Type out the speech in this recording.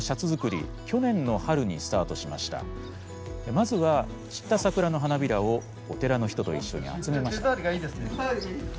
まずは散った桜の花びらをお寺の人と一緒に集めました。